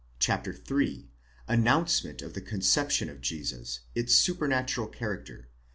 CHAPTER IIL ANNOUNCEMENT OF THE CONCEPTION OF JESUS.—ITS SUPERNATURAL CHARACTER.